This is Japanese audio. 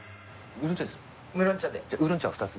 ウーロン茶２つで。